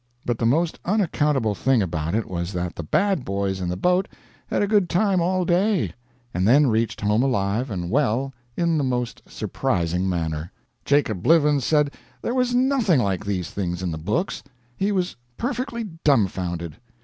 But the most unaccountable thing about it was that the bad boys in the boat had a good time all day, and then reached home alive and well in the most surprising manner. Jacob Blivens said there was nothing like these things in the books. He was perfectly dumfounded.